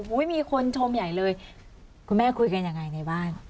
ทุกนางยังไง